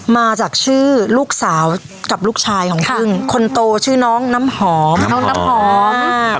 มาจากชื่อลูกสาวกับลูกชายของพึ่งคนโตชื่อน้องน้ำหอมน้องน้ำหอม